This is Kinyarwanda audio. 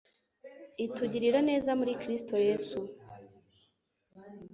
itugirira neza muri Kristo Yesu....